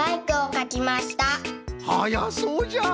はやそうじゃ！